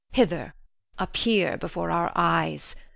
Hither appear before our eyes.